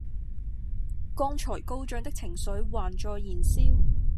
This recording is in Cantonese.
剛才高漲的情緒還在燃燒